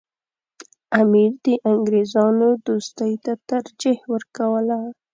امیر د انګریزانو دوستۍ ته ترجیح ورکوله.